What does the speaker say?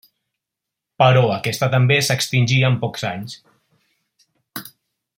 Però aquesta també s'extingí en pocs anys.